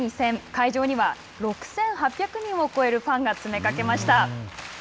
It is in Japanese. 会場には６８００人を超えるファンが詰めかけました。